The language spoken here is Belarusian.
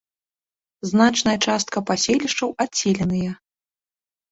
Значная частка паселішчаў адселеныя.